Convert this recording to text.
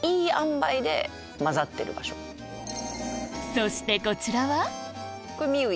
そしてこちらは？